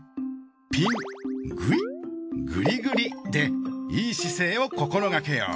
ピンぐいっグリグリでいい姿勢を心がけよう。